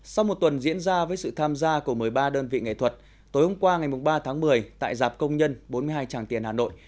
sau một tuần diễn ra với sự tham gia của một mươi ba đơn vị nghệ thuật tối hôm qua ngày ba tháng một mươi tại giạp công nhân bốn mươi hai tràng tiền hà nội